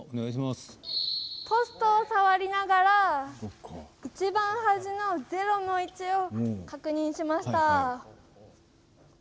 ポストを触りながら一番端の０の位置を確認しました。